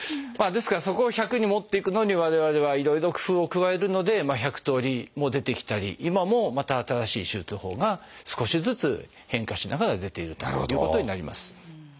ですからそこを１００に持っていくのに我々はいろいろ工夫を加えるので１００通りも出てきたり今もまた新しい手術法が少しずつ変化しながら出ているということになります。